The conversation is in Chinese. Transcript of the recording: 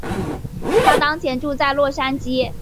她当前住在洛杉矶。